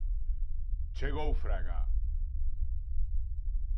Chegou Fraga.